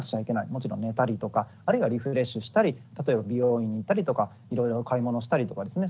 もちろん寝たりとかあるいはリフレッシュしたり例えば美容院に行ったりとかいろいろ買い物したりとかですね